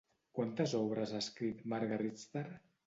Quantes obres ha escrit Marga Richter?